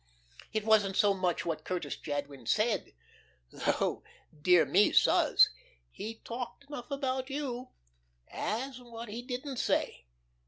It wasn't so much what Curtis Jadwin said though, dear me suz, he talked enough about you as what he didn't say.